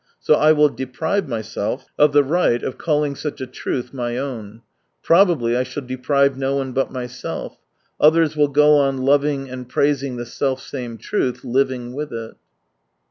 So I will deprive myself of the right of calling such a truth my own. Probably I shall deprive no one but mysdf : others will go on loving and praising the self same truth, living with it.